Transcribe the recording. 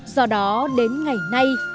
do đó đến ngày nay